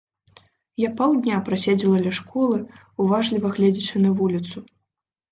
Я паўдня праседзела ля школы, уважліва гледзячы на вуліцу.